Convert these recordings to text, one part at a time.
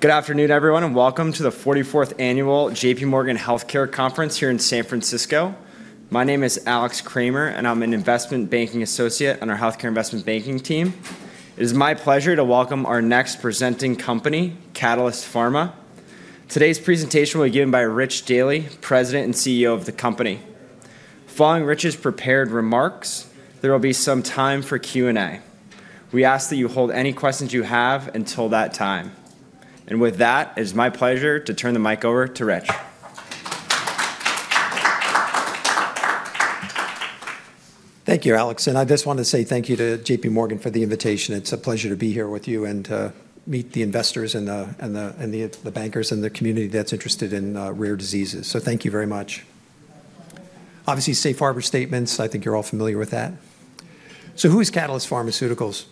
Good afternoon, everyone, and welcome to the 44th Annual JPMorgan Healthcare Conference here in San Francisco. My name is Alex Kramer, and I'm an Investment Banking Associate on our Healthcare Investment Banking team. It is my pleasure to welcome our next presenting company, Catalyst Pharma. Today's presentation will be given by Rich Daly, President and CEO of the company. Following Rich's prepared remarks, there will be some time for Q&A. We ask that you hold any questions you have until that time. And with that, it is my pleasure to turn the mic over to Rich. Thank you, Alex. And I just want to say thank you to JPMorgan for the invitation. It's a pleasure to be here with you and to meet the investors and the bankers and the community that's interested in rare diseases. So thank you very much. Obviously, safe harbor statements, I think you're all familiar with that. So who is Catalyst Pharmaceuticals?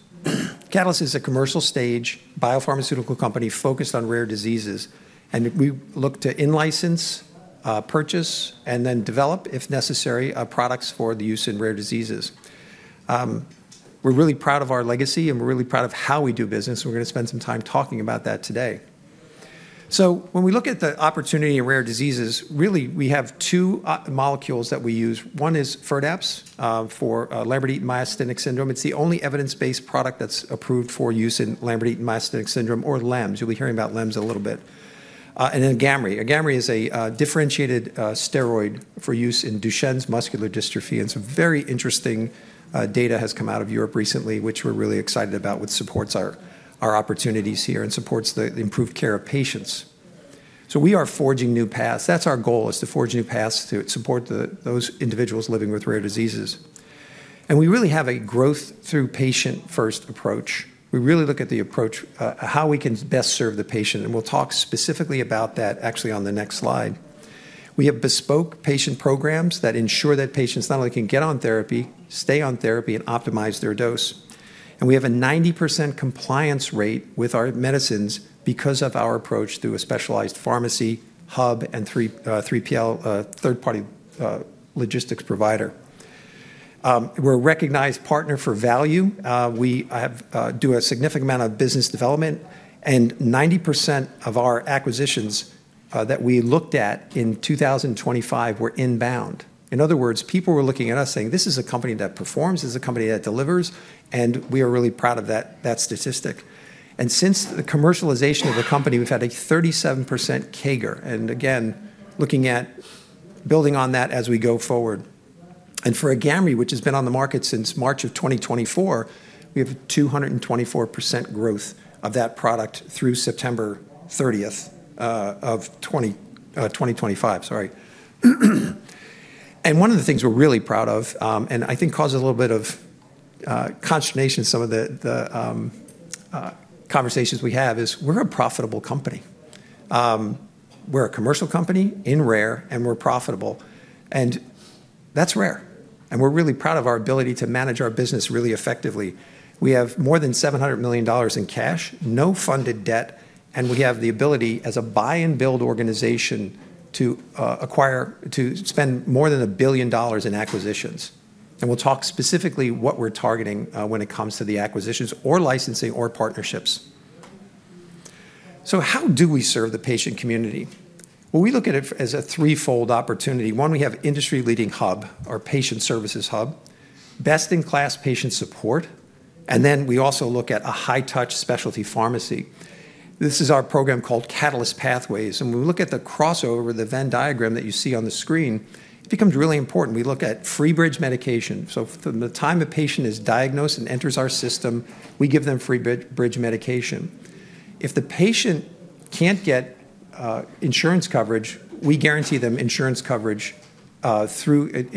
Catalyst is a commercial-stage biopharmaceutical company focused on rare diseases. And we look to in-license, purchase, and then develop, if necessary, products for the use in rare diseases. We're really proud of our legacy, and we're really proud of how we do business. We're going to spend some time talking about that today. So when we look at the opportunity in rare diseases, really, we have two molecules that we use. One is FIRDAPSE for Lambert-Eaton myasthenic syndrome. It's the only evidence-based product that's approved for use in Lambert-Eaton myasthenic syndrome, or LEMS. You'll be hearing about LEMS a little bit. And then AGAMREE. AGAMREE is a differentiated steroid for use in Duchenne muscular dystrophy. And some very interesting data has come out of Europe recently, which we're really excited about, which supports our opportunities here and supports the improved care of patients. So we are forging new paths. That's our goal, is to forge new paths to support those individuals living with rare diseases. And we really have a growth-through-patient-first approach. We really look at the approach, how we can best serve the patient. And we'll talk specifically about that, actually, on the next slide. We have bespoke patient programs that ensure that patients not only can get on therapy, stay on therapy, and optimize their dose. We have a 90% compliance rate with our medicines because of our approach through a specialized pharmacy hub and a third-party logistics provider. We're a recognized partner for value. We do a significant amount of business development. 90% of our acquisitions that we looked at in 2025 were inbound. In other words, people were looking at us saying, "This is a company that performs. This is a company that delivers." We are really proud of that statistic. Since the commercialization of the company, we've had a 37% CAGR. Again, looking at building on that as we go forward. For AGAMREE, which has been on the market since March of 2024, we have a 224% growth of that product through September 30th of 2025. Sorry. One of the things we're really proud of, and I think causes a little bit of consternation in some of the conversations we have, is we're a profitable company. We're a commercial company in rare, and we're profitable. That's rare. We're really proud of our ability to manage our business really effectively. We have more than $700 million in cash, no funded debt, and we have the ability, as a buy-and-build organization, to spend more than $1 billion in acquisitions. We'll talk specifically about what we're targeting when it comes to the acquisitions or licensing or partnerships. How do we serve the patient community? We look at it as a threefold opportunity. One, we have an industry-leading hub, our patient services hub, best-in-class patient support. Then we also look at a high-touch specialty pharmacy. This is our program called Catalyst Pathways. When we look at the crossover, the Venn diagram that you see on the screen, it becomes really important. We look at free bridge medication. From the time a patient is diagnosed and enters our system, we give them free bridge medication. If the patient can't get insurance coverage, we guarantee them insurance coverage through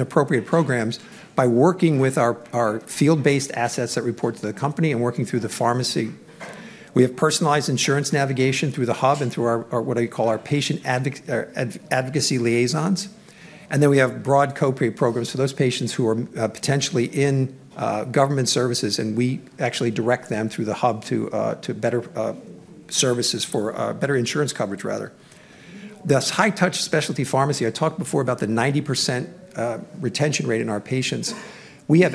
appropriate programs by working with our field-based assets that report to the company and working through the pharmacy. We have personalized insurance navigation through the hub and through what I call our patient advocacy liaisons. Then we have broad co-pay programs for those patients who are potentially in government services. We actually direct them through the hub to better services for better insurance coverage, rather. This high-touch specialty pharmacy. I talked before about the 90% retention rate in our patients. As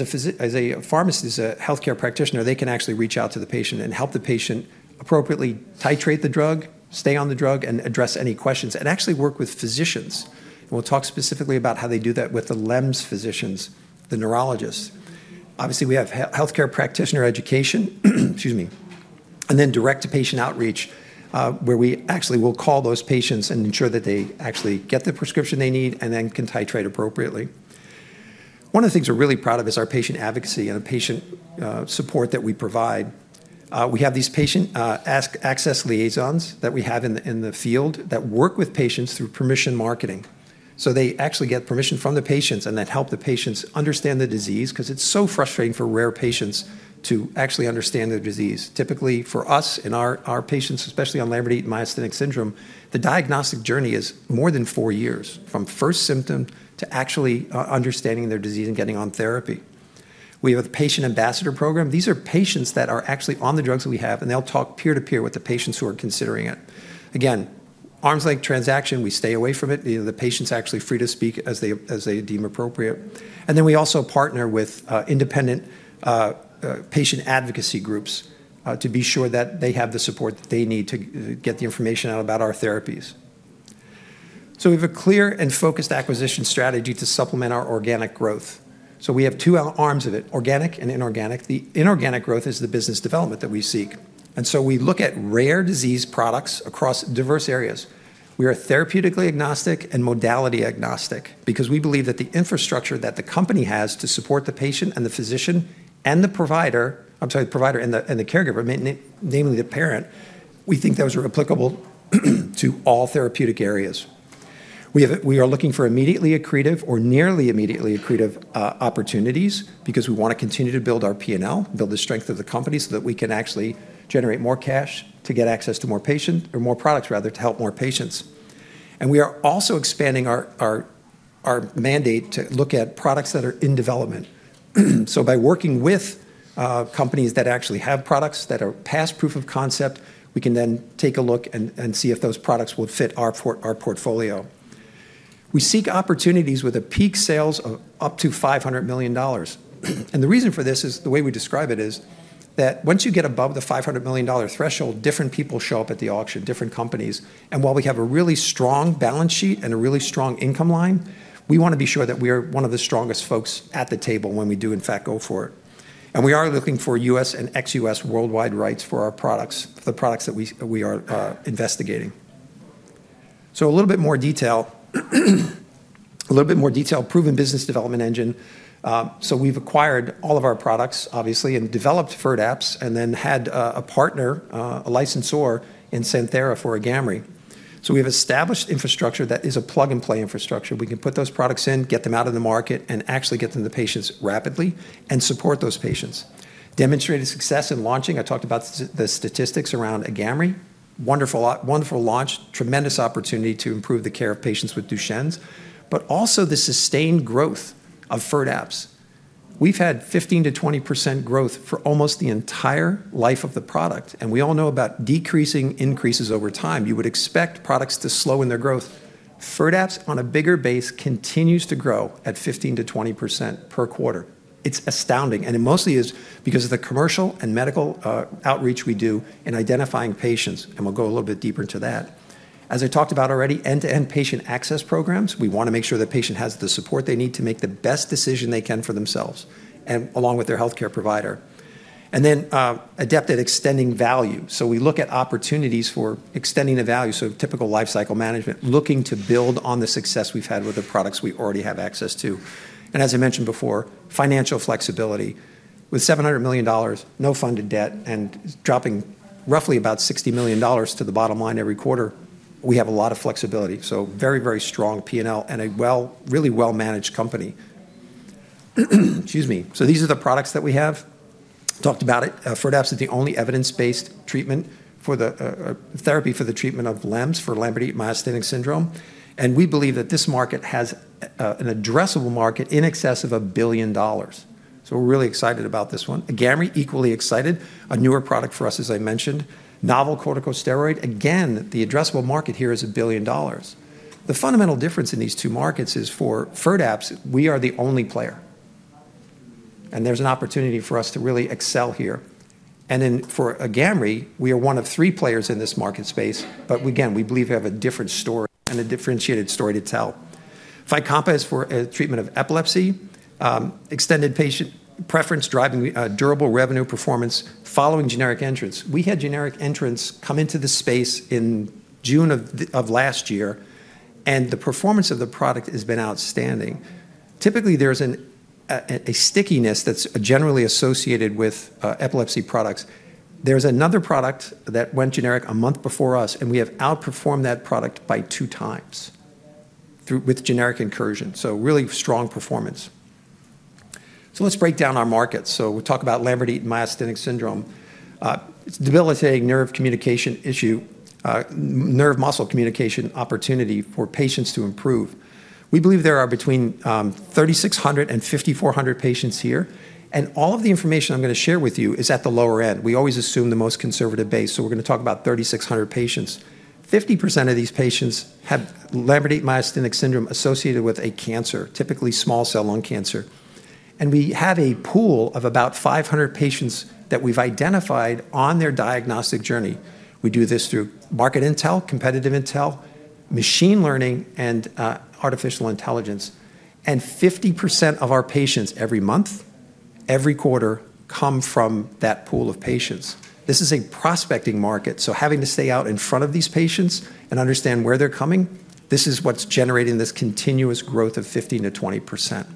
a pharmacist, as a healthcare practitioner, they can actually reach out to the patient and help the patient appropriately titrate the drug, stay on the drug, and address any questions, and actually work with physicians. And we'll talk specifically about how they do that with the LEMS physicians, the neurologists. Obviously, we have healthcare practitioner education, excuse me, and then direct-to-patient outreach, where we actually will call those patients and ensure that they actually get the prescription they need and then can titrate appropriately. One of the things we're really proud of is our patient advocacy and the patient support that we provide. We have these patient access liaisons that we have in the field that work with patients through permission marketing. So they actually get permission from the patients, and that helps the patients understand the disease because it's so frustrating for rare patients to actually understand their disease. Typically, for us and our patients, especially on Lambert-Eaton myasthenic syndrome, the diagnostic journey is more than four years, from first symptom to actually understanding their disease and getting on therapy. We have a patient ambassador program. These are patients that are actually on the drugs that we have, and they'll talk peer-to-peer with the patients who are considering it. Again, arm's-length transaction. We stay away from it. The patient's actually free to speak as they deem appropriate. And then we also partner with independent patient advocacy groups to be sure that they have the support that they need to get the information out about our therapies. So we have a clear and focused acquisition strategy to supplement our organic growth. So we have two arms of it, organic and inorganic. The inorganic growth is the business development that we seek. And so we look at rare disease products across diverse areas. We are therapeutically agnostic and modality agnostic because we believe that the infrastructure that the company has to support the patient and the physician and the provider, I'm sorry, the provider and the caregiver, namely the parent, we think those are applicable to all therapeutic areas. We are looking for immediately accretive or nearly immediately accretive opportunities because we want to continue to build our P&L, build the strength of the company so that we can actually generate more cash to get access to more patients or more products, rather, to help more patients. We are also expanding our mandate to look at products that are in development. By working with companies that actually have products that are past proof of concept, we can then take a look and see if those products will fit our portfolio. We seek opportunities with a peak sales of up to $500 million. The reason for this is the way we describe it is that once you get above the $500 million threshold, different people show up at the auction, different companies. While we have a really strong balance sheet and a really strong income line, we want to be sure that we are one of the strongest folks at the table when we do, in fact, go for it. We are looking for U.S. and ex-U.S. worldwide rights for our products, the products that we are investigating. So a little bit more detail, proven business development engine. So we've acquired all of our products, obviously, and developed FIRDAPSE and then had a partner, a licensor, in Santhera for AGAMREE. So we have established infrastructure that is a plug-and-play infrastructure. We can put those products in, get them out of the market, and actually get them to patients rapidly and support those patients. Demonstrated success in launching. I talked about the statistics around AGAMREE. Wonderful launch, tremendous opportunity to improve the care of patients with Duchenne's, but also the sustained growth of FIRDAPSE. We've had 15%-20% growth for almost the entire life of the product. And we all know about decreasing increases over time. You would expect products to slow in their growth. FIRDAPSE, on a bigger base, continues to grow at 15%-20% per quarter. It's astounding. It mostly is because of the commercial and medical outreach we do in identifying patients. We'll go a little bit deeper into that. As I talked about already, end-to-end patient access programs. We want to make sure the patient has the support they need to make the best decision they can for themselves and along with their healthcare provider. Then adept at extending value. We look at opportunities for extending the value. Typical lifecycle management, looking to build on the success we've had with the products we already have access to. As I mentioned before, financial flexibility. With $700 million, no funded debt, and dropping roughly about $60 million to the bottom line every quarter, we have a lot of flexibility. Very, very strong P&L and a really well-managed company. Excuse me. These are the products that we have. Talked about it. FIRDAPSE is the only evidence-based treatment for the therapy for the treatment of LEMS, Lambert-Eaton myasthenic syndrome, and we believe that this market has an addressable market in excess of $1 billion, so we're really excited about this one. AGAMREE, equally excited. A newer product for us, as I mentioned. Novel corticosteroid. Again, the addressable market here is $1 billion. The fundamental difference in these two markets is for FIRDAPSE, we are the only player, and there's an opportunity for us to really excel here, and then for AGAMREE, we are one of three players in this market space, but again, we believe we have a different story and a differentiated story to tell. FYCOMPA is for treatment of epilepsy, extended patient preference, driving durable revenue performance following generic entrants. We had generic entrants come into the space in June of last year, and the performance of the product has been outstanding. Typically, there's a stickiness that's generally associated with epilepsy products. There's another product that went generic a month before us, and we have outperformed that product by two times with generic incursion. So really strong performance. So let's break down our markets. So we'll talk about Lambert-Eaton myasthenic syndrome. It's a debilitating nerve communication issue, nerve muscle communication opportunity for patients to improve. We believe there are between 3,600 and 5,400 patients here. And all of the information I'm going to share with you is at the lower end. We always assume the most conservative base. So we're going to talk about 3,600 patients. 50% of these patients have Lambert-Eaton myasthenic syndrome associated with a cancer, typically small cell lung cancer. And we have a pool of about 500 patients that we've identified on their diagnostic journey. We do this through market intel, competitive intel, machine learning, and artificial intelligence. And 50% of our patients every month, every quarter, come from that pool of patients. This is a prospecting market. So having to stay out in front of these patients and understand where they're coming, this is what's generating this continuous growth of 15%-20%.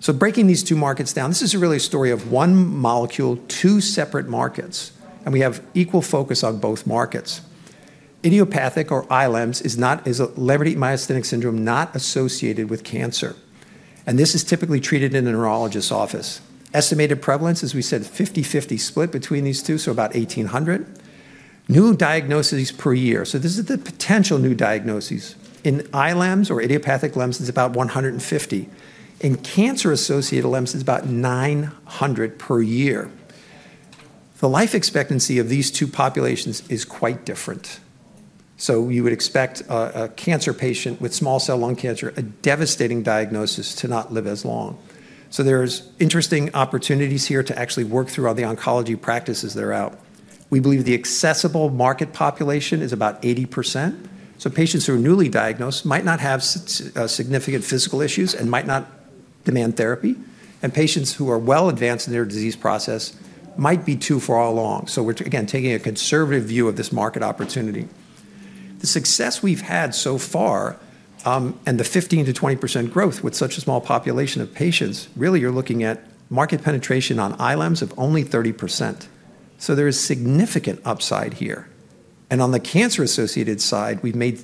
So breaking these two markets down, this is really a story of one molecule, two separate markets. And we have equal focus on both markets. Idiopathic LEMS is Lambert-Eaton myasthenic syndrome not associated with cancer. And this is typically treated in a neurologist's office. Estimated prevalence, as we said, 50/50 split between these two, so about 1,800 new diagnoses per year. So this is the potential new diagnoses. In iLEMS or idiopathic LEMS, it's about 150. In cancer-associated LEMS, it's about 900 per year. The life expectancy of these two populations is quite different. You would expect a cancer patient with small cell lung cancer, a devastating diagnosis, to not live as long. There's interesting opportunities here to actually work through all the oncology practices that are out. We believe the accessible market population is about 80%. Patients who are newly diagnosed might not have significant physical issues and might not demand therapy. Patients who are well advanced in their disease process might be too far along. We're, again, taking a conservative view of this market opportunity. The success we've had so far and the 15%-20% growth with such a small population of patients, really, you're looking at market penetration on iLEMS of only 30%. There is significant upside here. On the cancer-associated side, we've made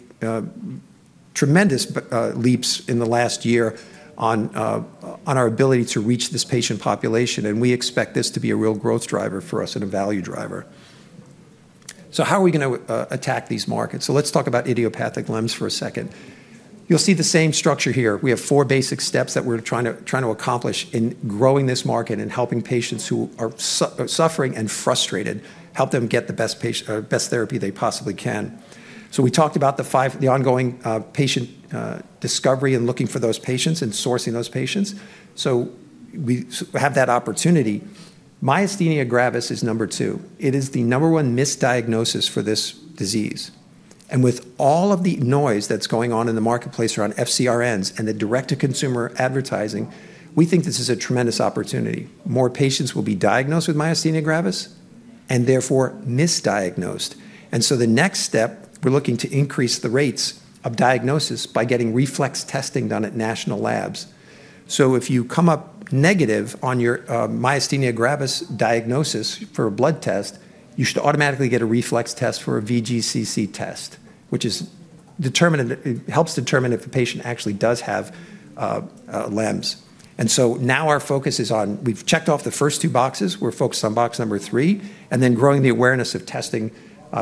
tremendous leaps in the last year on our ability to reach this patient population. We expect this to be a real growth driver for us and a value driver. How are we going to attack these markets? Let's talk about idiopathic LEMS for a second. You'll see the same structure here. We have four basic steps that we're trying to accomplish in growing this market and helping patients who are suffering and frustrated, help them get the best therapy they possibly can. We talked about the ongoing patient discovery and looking for those patients and sourcing those patients. We have that opportunity. Myasthenia gravis is number two. It is the number one misdiagnosis for this disease. And with all of the noise that's going on in the marketplace around FcRns and the direct-to-consumer advertising, we think this is a tremendous opportunity. More patients will be diagnosed with myasthenia gravis and therefore misdiagnosed. And so the next step, we're looking to increase the rates of diagnosis by getting reflex testing done at national labs. So if you come up negative on your myasthenia gravis diagnosis for a blood test, you should automatically get a reflex test for a VGCC test, which helps determine if the patient actually does have LEMS. And so now our focus is on we've checked off the first two boxes. We're focused on box number three, and then growing the awareness of testing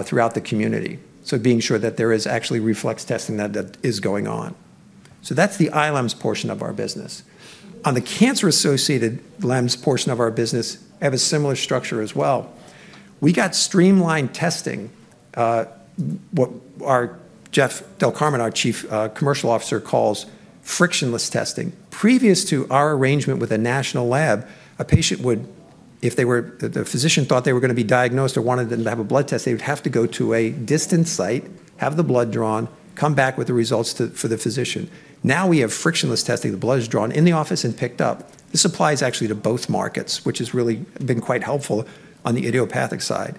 throughout the community. So being sure that there is actually reflex testing that is going on. So that's the LEMS portion of our business. On the cancer-associated LEMS portion of our business, we have a similar structure as well. We got streamlined testing, what Jeff Del Carmen, our Chief Commercial Officer, calls frictionless testing. Previous to our arrangement with a national lab, a patient would, if the physician thought they were going to be diagnosed or wanted them to have a blood test, they would have to go to a distant site, have the blood drawn, come back with the results for the physician. Now we have frictionless testing. The blood is drawn in the office and picked up. This applies actually to both markets, which has really been quite helpful on the idiopathic side.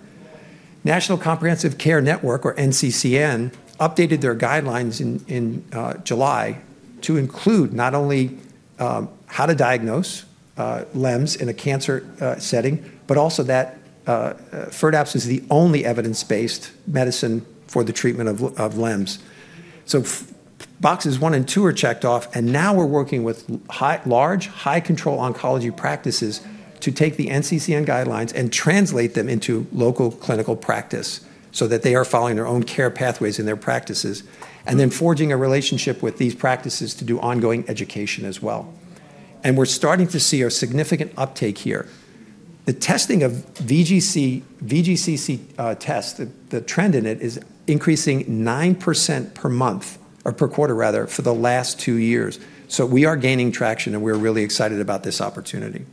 National Comprehensive Cancer Network, or NCCN, updated their guidelines in July to include not only how to diagnose LEMS in a cancer setting, but also that FIRDAPSE is the only evidence-based medicine for the treatment of LEMS. Boxes one and two are checked off. Now we're working with large, high-control oncology practices to take the NCCN guidelines and translate them into local clinical practice so that they are following their own care pathways in their practices, and then forging a relationship with these practices to do ongoing education as well. We're starting to see a significant uptake here. The testing of VGCC tests, the trend in it, is increasing 9% per month or per quarter, rather, for the last two years. We are gaining traction, and we're really excited about this opportunity.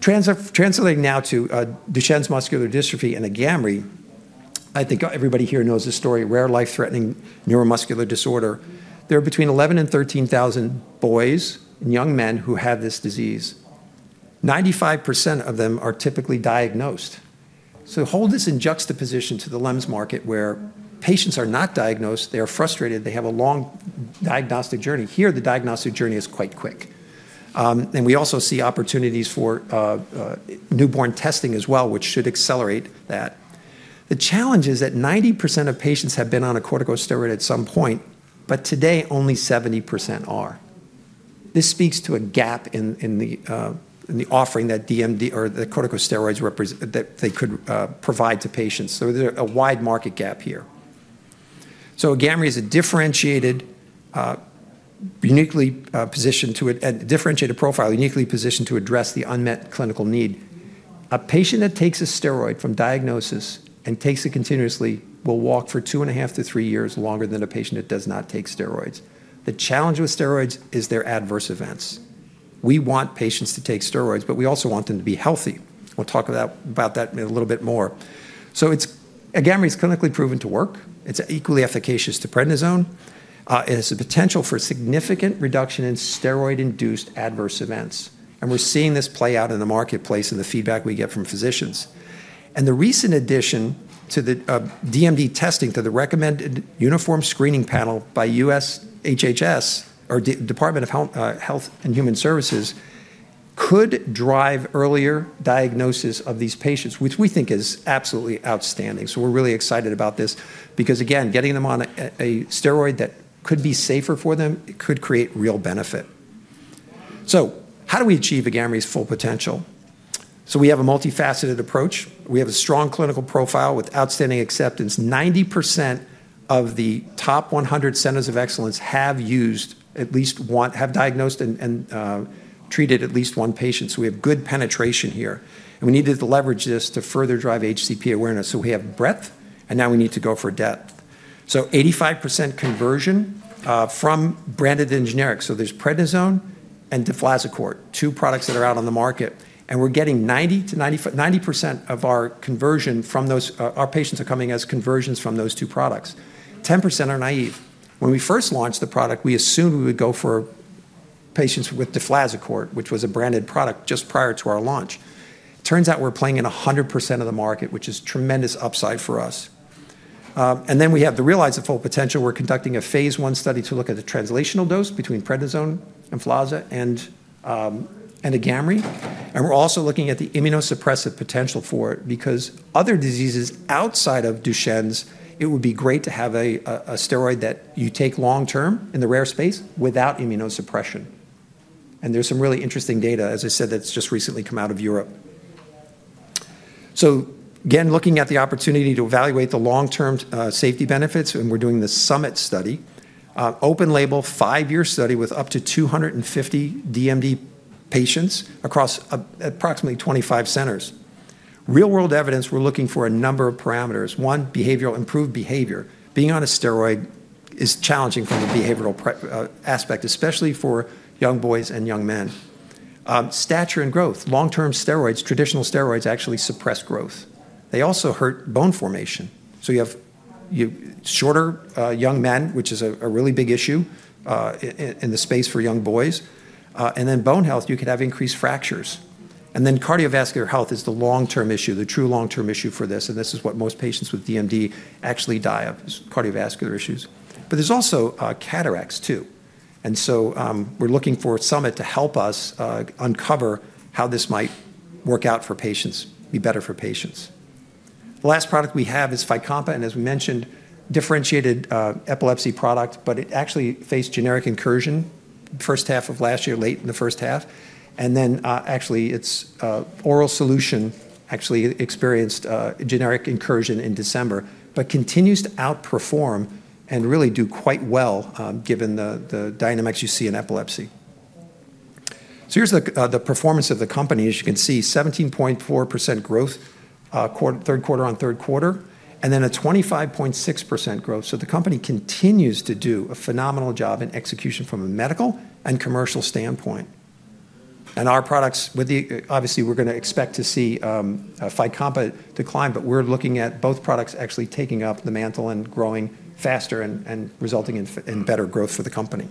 Translating now to Duchenne muscular dystrophy and the AGAMREE, I think everybody here knows the story, rare life-threatening neuromuscular disorder. There are between 11,000 and 13,000 boys, young men who have this disease. 95% of them are typically diagnosed. Hold this in juxtaposition to the LEMS market, where patients are not diagnosed. They are frustrated. They have a long diagnostic journey. Here, the diagnostic journey is quite quick. And we also see opportunities for newborn testing as well, which should accelerate that. The challenge is that 90% of patients have been on a corticosteroid at some point, but today, only 70% are. This speaks to a gap in the offering that corticosteroids could provide to patients. So there's a wide market gap here. So AGAMREE is a differentiated, uniquely positioned to a differentiated profile, uniquely positioned to address the unmet clinical need. A patient that takes a steroid from diagnosis and takes it continuously will walk for two and a half to three years longer than a patient that does not take steroids. The challenge with steroids is their adverse events. We want patients to take steroids, but we also want them to be healthy. We'll talk about that a little bit more. So AGAMREE is clinically proven to work. It's equally efficacious to prednisone. It has the potential for significant reduction in steroid-induced adverse events. And we're seeing this play out in the marketplace and the feedback we get from physicians. And the recent addition to the DMD testing to the recommended uniform screening panel by U.S. HHS, or Department of Health and Human Services, could drive earlier diagnosis of these patients, which we think is absolutely outstanding. So we're really excited about this because, again, getting them on a steroid that could be safer for them could create real benefit. So how do we achieve AGAMREE's full potential? So we have a multifaceted approach. We have a strong clinical profile with outstanding acceptance. 90% of the top 100 centers of excellence have used at least one, have diagnosed and treated at least one patient, so we have good penetration here, and we needed to leverage this to further drive HCP awareness, so we have breadth, and now we need to go for depth, so 85% conversion from branded and generic, so there's prednisone and deflazacort, two products that are out on the market, and we're getting 90% of our conversion from those. Our patients are coming as conversions from those two products. 10% are naive. When we first launched the product, we assumed we would go for patients with deflazacort, which was a branded product, just prior to our launch. Turns out we're playing in 100% of the market, which is tremendous upside for us, and then we have to realize the full potential. We're conducting a phase one study to look at the translational dose between prednisone and AGAMREE, and we're also looking at the immunosuppressive potential for it because other diseases outside of Duchenne's, it would be great to have a steroid that you take long-term in the rare space without immunosuppression, and there's some really interesting data, as I said, that's just recently come out of Europe, so again, looking at the opportunity to evaluate the long-term safety benefits, and we're doing the SUMMIT study, open label, five-year study with up to 250 DMD patients across approximately 25 centers. Real-world evidence, we're looking for a number of parameters. One, improved behavior. Being on a steroid is challenging from the behavioral aspect, especially for young boys and young men. Stature and growth. Long-term steroids, traditional steroids actually suppress growth. They also hurt bone formation. So you have shorter young men, which is a really big issue in the space for young boys. And then bone health, you can have increased fractures. And then cardiovascular health is the long-term issue, the true long-term issue for this. And this is what most patients with DMD actually die of, is cardiovascular issues. But there's also cataracts, too. And so we're looking for a summit to help us uncover how this might work out for patients, be better for patients. The last product we have is FYCOMPA, and as we mentioned, differentiated epilepsy product, but it actually faced generic incursion the first half of last year, late in the first half. And then actually, its oral solution actually experienced generic incursion in December, but continues to outperform and really do quite well given the dynamics you see in epilepsy. So here's the performance of the company, as you can see, 17.4% growth third quarter on third quarter, and then a 25.6% growth. So the company continues to do a phenomenal job in execution from a medical and commercial standpoint. And our products, obviously, we're going to expect to see FYCOMPA decline, but we're looking at both products actually taking up the mantle and growing faster and resulting in better growth for the company.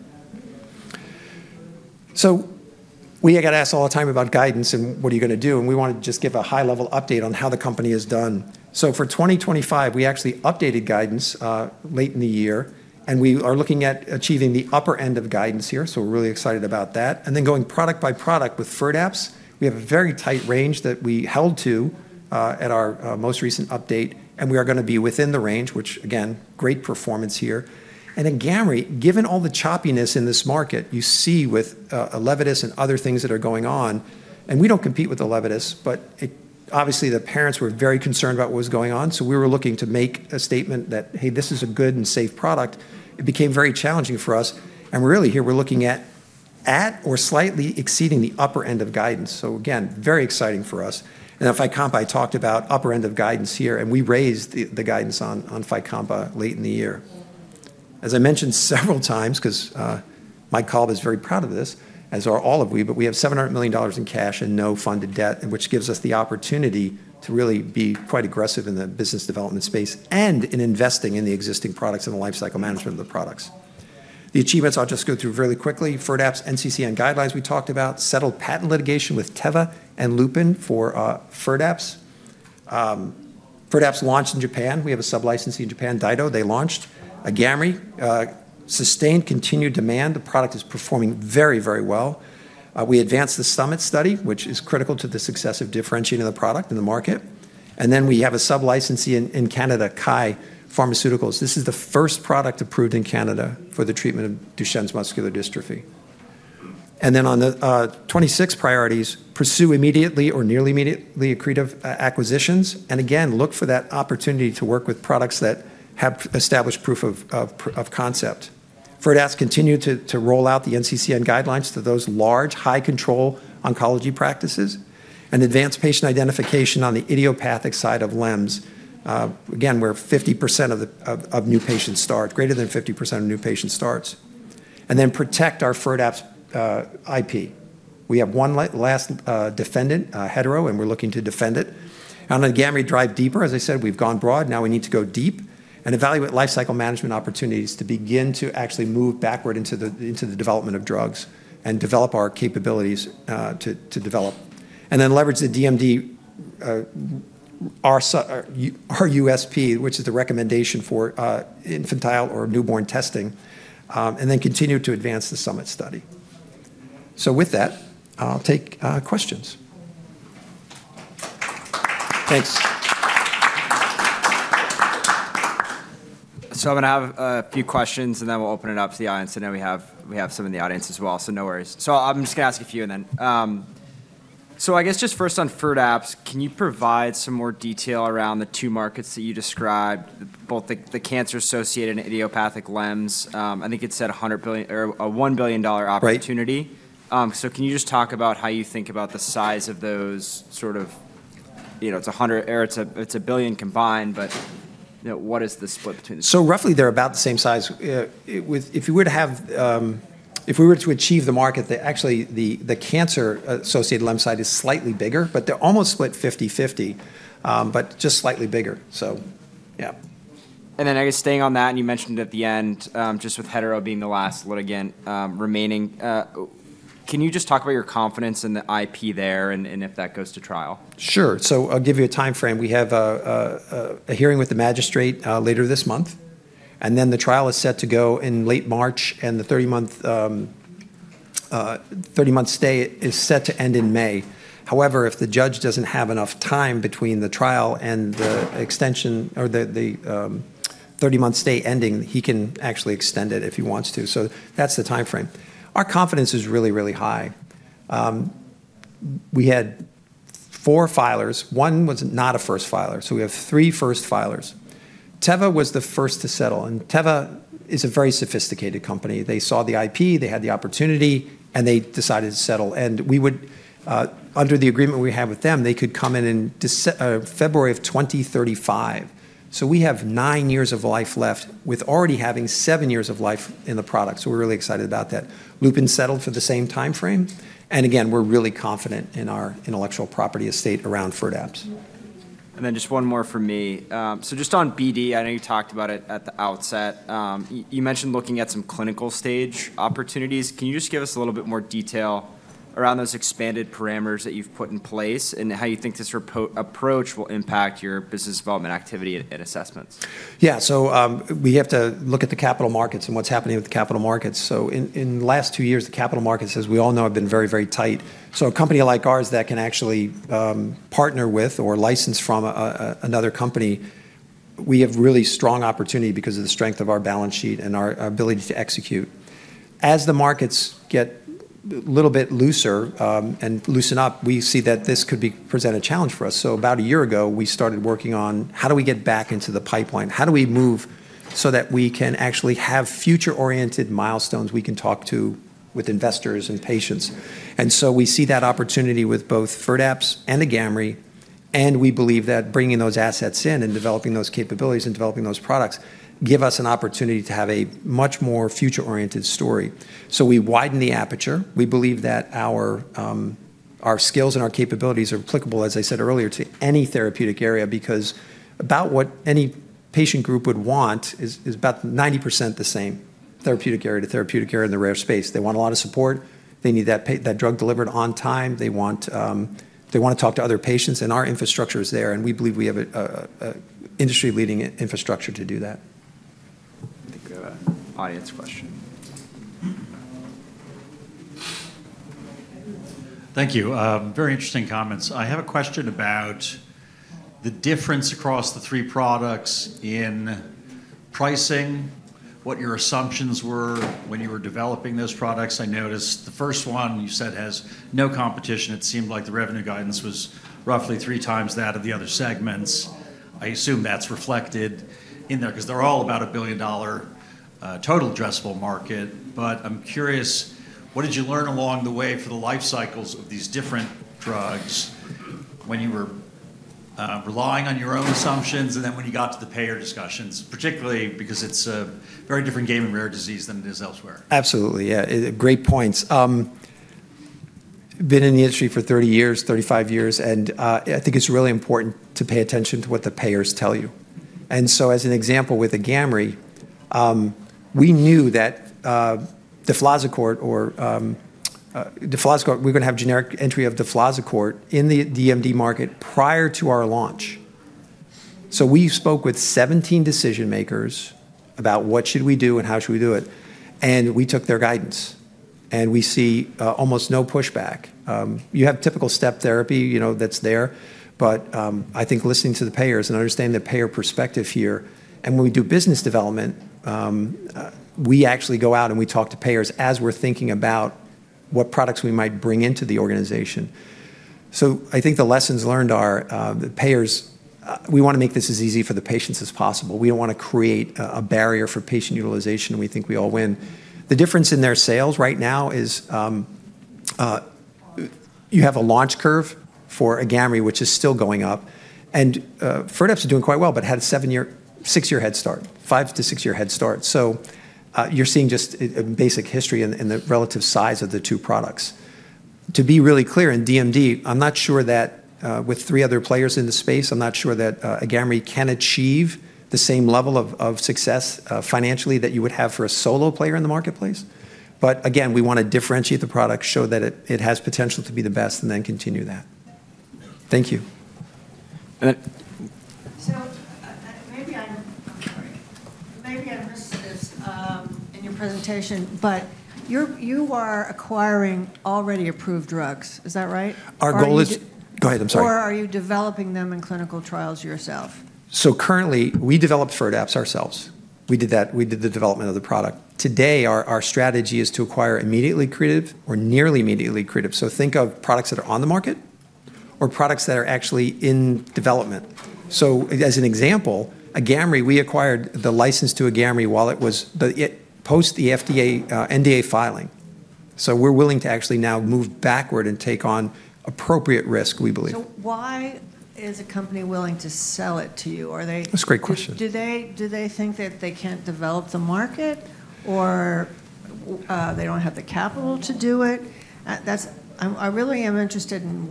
So we get asked all the time about guidance and what are you going to do. And we want to just give a high-level update on how the company has done. So for 2025, we actually updated guidance late in the year, and we are looking at achieving the upper end of guidance here. So we're really excited about that. And then going product by product with FIRDAPSE, we have a very tight range that we held to at our most recent update, and we are going to be within the range, which, again, great performance here. And in AGAMREE, given all the choppiness in this market, you see with Elevidys and other things that are going on, and we don't compete with Elevidys, but obviously, the parents were very concerned about what was going on. So we were looking to make a statement that, hey, this is a good and safe product. It became very challenging for us. And really, here we're looking at or slightly exceeding the upper end of guidance. So again, very exciting for us. And then FYCOMPA, I talked about upper end of guidance here, and we raised the guidance on FYCOMPA late in the year. As I mentioned several times, because Mike Kalb is very proud of this, as are all of we, but we have $700 million in cash and no funded debt, which gives us the opportunity to really be quite aggressive in the business development space and in investing in the existing products and the lifecycle management of the products. The achievements I'll just go through really quickly. FIRDAPSE, NCCN guidelines we talked about, settled patent litigation with Teva and Lupin for FIRDAPSE. FIRDAPSE launched in Japan. We have a sublicensee in Japan, DyDo. They launched AGAMREE. Sustained continued demand. The product is performing very, very well. We advanced the SUMMIT study, which is critical to the success of differentiating the product in the market. And then we have a sublicensee in Canada, Kye Pharmaceuticals. This is the first product approved in Canada for the treatment of Duchenne muscular dystrophy. Then on the 26 priorities, pursue immediately or nearly immediately accretive acquisitions. And again, look for that opportunity to work with products that have established proof of concept. FIRDAPSE continue to roll out the NCCN guidelines to those large, high-control oncology practices and advance patient identification on the idiopathic side of LEMS. Again, where 50% of new patients start, greater than 50% of new patients starts. And then protect our FIRDAPSE IP. We have one last defendant, Hetero, and we're looking to defend it. On the AGAMREE drive deeper, as I said, we've gone broad. Now we need to go deep and evaluate lifecycle management opportunities to begin to actually move backward into the development of drugs and develop our capabilities to develop. And then leverage the DMD, our RUSP, which is the recommendation for infantile or newborn testing, and then continue to advance the SUMMIT study. So with that, I'll take questions. Thanks. So I'm going to have a few questions, and then we'll open it up to the audience. And then we have some in the audience as well, so no worries. So I'm just going to ask a few, and then. So I guess just first on FIRDAPSE, can you provide some more detail around the two markets that you described, both the cancer-associated and idiopathic LEMS? I think it said $1 billion opportunity. So can you just talk about how you think about the size of those sort of, it's a billion combined, but what is the split between them? So roughly, they're about the same size. If you were to have, if we were to achieve the market, actually, the cancer-associated LEMS side is slightly bigger, but they're almost split 50/50, but just slightly bigger. So yeah. Then I guess staying on that, and you mentioned at the end, just with Hetero being the last remaining litigant, can you just talk about your confidence in the IP there and if that goes to trial? Sure, so I'll give you a time frame. We have a hearing with the magistrate later this month, and then the trial is set to go in late March, and the 30-month stay is set to end in May. However, if the judge doesn't have enough time between the trial and the extension or the 30-month stay ending, he can actually extend it if he wants to, so that's the time frame. Our confidence is really, really high. We had four filers. One was not a first filer, so we have three first filers. Teva was the first to settle, and Teva is a very sophisticated company. They saw the IP. They had the opportunity, and they decided to settle. And under the agreement we had with them, they could come in in February of 2035. So we have nine years of life left with already having seven years of life in the product. So we're really excited about that. Lupin settled for the same time frame. And again, we're really confident in our intellectual property estate around FIRDAPSE. And then just one more for me. So just on BD, I know you talked about it at the outset. You mentioned looking at some clinical stage opportunities. Can you just give us a little bit more detail around those expanded parameters that you've put in place and how you think this approach will impact your business development activity and assessments? Yeah. So we have to look at the capital markets and what's happening with the capital markets. So in the last two years, the capital markets, as we all know, have been very, very tight. So a company like ours that can actually partner with or license from another company, we have really strong opportunity because of the strength of our balance sheet and our ability to execute. As the markets get a little bit looser and loosen up, we see that this could present a challenge for us. So about a year ago, we started working on how do we get back into the pipeline? How do we move so that we can actually have future-oriented milestones we can talk to with investors and patients? And so we see that opportunity with both FIRDAPSE and the AGAMREE. And we believe that bringing those assets in and developing those capabilities and developing those products gives us an opportunity to have a much more future-oriented story. So we widen the aperture. We believe that our skills and our capabilities are applicable, as I said earlier, to any therapeutic area because about what any patient group would want is about 90% the same therapeutic area to therapeutic area in the rare space. They want a lot of support. They need that drug delivered on time. They want to talk to other patients. And our infrastructure is there. And we believe we have an industry-leading infrastructure to do that. I think we have an audience question. Thank you. Very interesting comments. I have a question about the difference across the three products in pricing, what your assumptions were when you were developing those products. I noticed the first one, you said, has no competition. It seemed like the revenue guidance was roughly three times that of the other segments. I assume that's reflected in there because they're all about a $1 billion total addressable market. But I'm curious, what did you learn along the way for the life cycles of these different drugs when you were relying on your own assumptions and then when you got to the payer discussions, particularly because it's a very different game in rare disease than it is elsewhere? Absolutely. Yeah. Great points. Been in the industry for 30 years, 35 years, and I think it's really important to pay attention to what the payers tell you. And so as an example with the AGAMREE, we knew that deflazacort or deflazacort, we're going to have generic entry of deflazacort in the DMD market prior to our launch. So we spoke with 17 decision-makers about what should we do and how should we do it. And we took their guidance. And we see almost no pushback. You have typical step therapy that's there. But I think listening to the payers and understanding the payer perspective here, and when we do business development, we actually go out and we talk to payers as we're thinking about what products we might bring into the organization. So I think the lessons learned are the payers. We want to make this as easy for the patients as possible. We don't want to create a barrier for patient utilization. We think we all win. The difference in their sales right now is you have a launch curve for AGAMREE, which is still going up, and FIRDAPSE is doing quite well, but had a six-year head start, five to six-year head start. So you're seeing just basic history and the relative size of the two products. To be really clear, in DMD, I'm not sure that with three other players in the space, I'm not sure that a AGAMREE can achieve the same level of success financially that you would have for a solo player in the marketplace. But again, we want to differentiate the product, show that it has potential to be the best, and then continue that. Thank you. Maybe I'm sorry. Maybe I missed this in your presentation, but you are acquiring already approved drugs. Is that right? Or are you developing them in clinical trials yourself? So currently, we developed FIRDAPSE ourselves. We did the development of the product. Today, our strategy is to acquire immediately accretive or nearly immediately accretive. So think of products that are on the market or products that are actually in development. So as an example, AGAMREE, we acquired the license to AGAMREE while it was post the FDA NDA filing. So we're willing to actually now move backward and take on appropriate risk, we believe. So why is a company willing to sell it to you? Are they? That's a great question. Do they think that they can't develop the market or they don't have the capital to do it? I really am interested in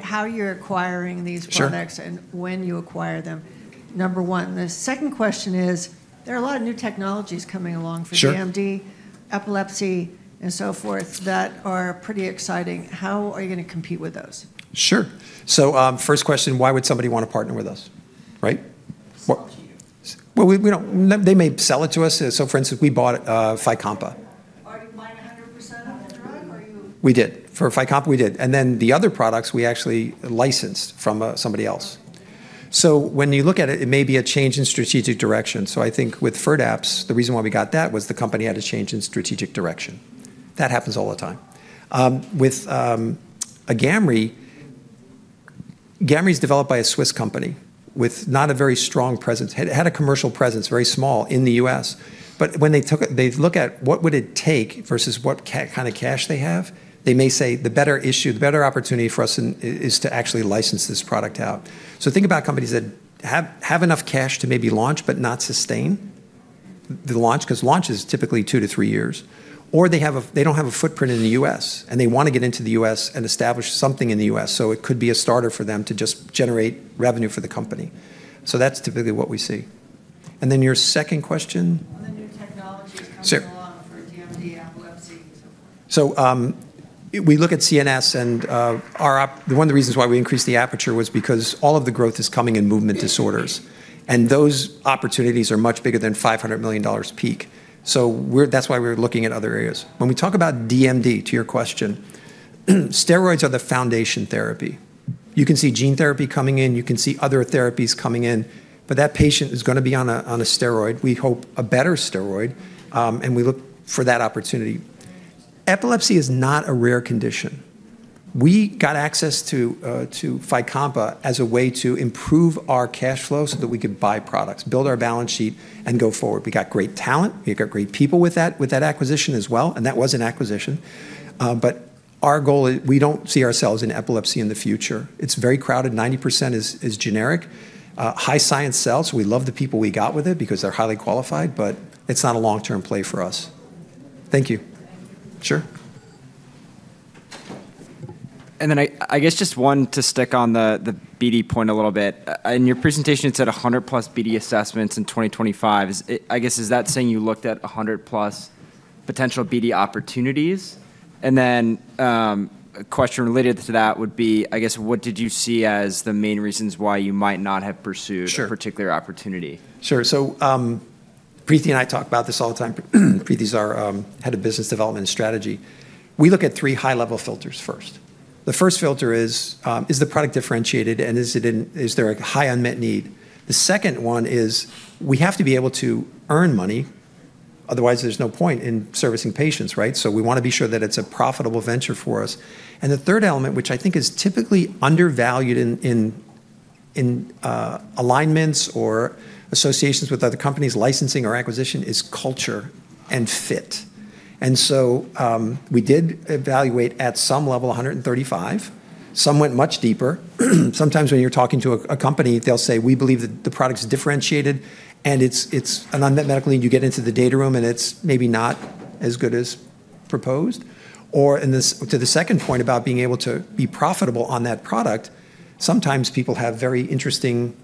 how you're acquiring these products and when you acquire them, number one. The second question is there are a lot of new technologies coming along for DMD, epilepsy, and so forth that are pretty exciting. How are you going to compete with those? Sure. So first question, why would somebody want to partner with us? Right? Sell to you. Well, they may sell it to us. So for instance, we bought FYCOMPA. Are you buying 100% of the drug? Are you? We did. For FYCOMPA, we did. And then the other products, we actually licensed from somebody else. So when you look at it, it may be a change in strategic direction. So I think with FIRDAPSE, the reason why we got that was the company had a change in strategic direction. That happens all the time. With AGAMREE, AGAMREE is developed by a Swiss company with not a very strong presence. It had a commercial presence, very small in the U.S. But when they look at what would it take versus what kind of cash they have, they may say the better issue, the better opportunity for us is to actually license this product out. So think about companies that have enough cash to maybe launch but not sustain the launch because launch is typically two to three years. Or they don't have a footprint in the U.S., and they want to get into the U.S. and establish something in the U.S. So it could be a starter for them to just generate revenue for the company. So that's typically what we see. And then your second question. On the new technologies coming along for DMD, epilepsy, and so forth. So we look at CNS, and one of the reasons why we increased the aperture was because all of the growth is coming in movement disorders. And those opportunities are much bigger than $500 million peak. So that's why we're looking at other areas. When we talk about DMD, to your question, steroids are the foundation therapy. You can see gene therapy coming in. You can see other therapies coming in. But that patient is going to be on a steroid, we hope a better steroid, and we look for that opportunity. Epilepsy is not a rare condition. We got access to FYCOMPA as a way to improve our cash flow so that we could buy products, build our balance sheet, and go forward. We got great talent. We got great people with that acquisition as well. And that was an acquisition. But our goal is we don't see ourselves in epilepsy in the future. It's very crowded. 90% is generic. High science cells. We love the people we got with it because they're highly qualified, but it's not a long-term play for us. Thank you. Sure. And then I guess just one to stick on the BD point a little bit. In your presentation, it said 100-plus BD assessments in 2025. I guess, is that saying you looked at 100-plus potential BD opportunities? And then a question related to that would be, I guess, what did you see as the main reasons why you might not have pursued a particular opportunity? Sure. So Preethi and I talk about this all the time. Preethi is our head of Business Development and Strategy. We look at three high-level filters first. The first filter is, is the product differentiated, and is there a high unmet need? The second one is we have to be able to earn money. Otherwise, there's no point in servicing patients, right? So we want to be sure that it's a profitable venture for us. And the third element, which I think is typically undervalued in alignments or associations with other companies, licensing or acquisition, is culture and fit. And so we did evaluate at some level 135. Some went much deeper. Sometimes when you're talking to a company, they'll say, "We believe that the product is differentiated, and it's an unmet medical need. You get into the data room, and it's maybe not as good as proposed." Or to the second point about being able to be profitable on that product, sometimes people have very interesting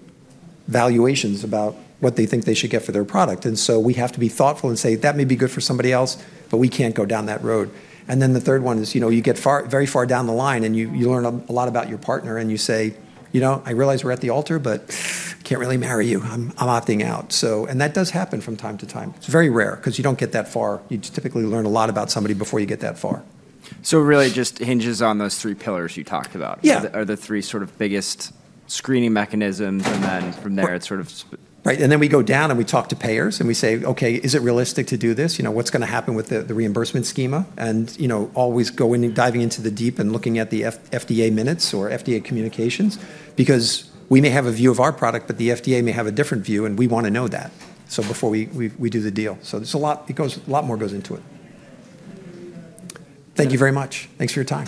valuations about what they think they should get for their product. And so we have to be thoughtful and say, "That may be good for somebody else, but we can't go down that road." And then the third one is you get very far down the line, and you learn a lot about your partner, and you say, "I realize we're at the altar, but I can't really marry you. I'm opting out." And that does happen from time to time. It's very rare because you don't get that far. You typically learn a lot about somebody before you get that far. So it really just hinges on those three pillars you talked about. Yeah. Are the three sort of biggest screening mechanisms, and then from there, it's sort of. Right. And then we go down, and we talk to payers, and we say, "Okay, is it realistic to do this? What's going to happen with the reimbursement schema?" And always going and diving into the deep and looking at the FDA minutes or FDA communications because we may have a view of our product, but the FDA may have a different view, and we want to know that. So before we do the deal. So there's a lot it goes a lot more goes into it. Thank you very much. Thanks for your time.